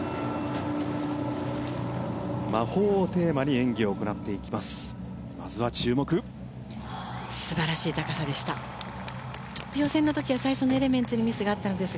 魔法をテーマに演技を行っていきます。